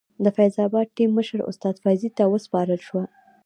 د فیض اباد ټیم مشر استاد فیضي ته وسپارل شوه.